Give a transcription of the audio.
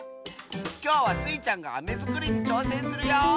きょうはスイちゃんがアメづくりにちょうせんするよ！